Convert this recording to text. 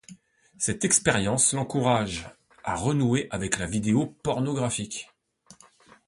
Cette expérience l'encourage à renouer avec la vidéo pornographique.